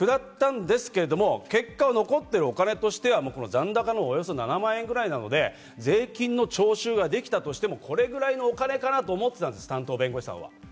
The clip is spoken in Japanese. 下ったんですけれども、結果残っているお金としては残高の７万円くらいなので、税金の徴収ができたとしても、これくらいのお金かなと思ったんです、担当弁護士は。